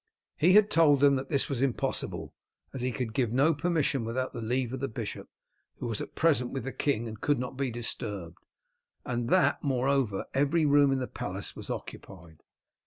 He had told them that this was impossible, as he could give no permission without the leave of the bishop, who was at present with the king and could not be disturbed, and that, moreover, every room in the palace was occupied.